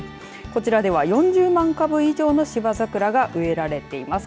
こちらでは４０万株以上の芝桜が植えられています。